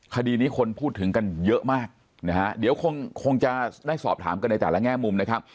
คดีนี้คนพูดถึงกันเยอะมากนะฮะเดี๋ยวคงจะได้สอบถามกันในแต่ละแง่มุมนะครับ